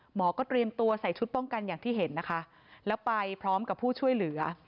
หมอก็เตรียมตัวใส่ชุดป้องกันอย่างที่เห็นนะคะแล้วไปพร้อมกับผู้ช่วยเหลือ